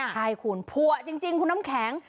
ใช่คุณผัวจริงคุณน้ำแข็ง